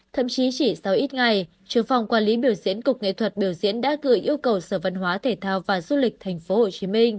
thậm chí chỉ sau ít ngày trường phòng quản lý biểu diễn cục nghệ thuật biểu diễn đã gửi yêu cầu sở văn hóa thể thao và du lịch tp hcm